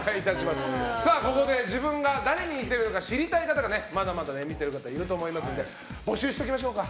ここで自分が誰に似ているのか知りたい方まだまだ見ている方いると思いますので募集しておきましょうか。